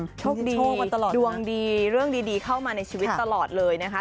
มันจะโชคกันตลอดนะโชคดีดวงดีเรื่องดีเข้ามาในชีวิตตลอดเลยนะคะ